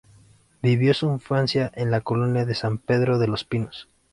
Vivió su infancia en la Colonia San Pedro de los Pinos.